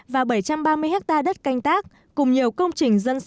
và bảy trăm ba mươi người dân